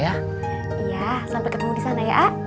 iya sampai ketemu disana ya